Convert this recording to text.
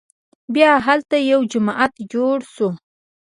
بیا هلته یو جومات جوړ شو.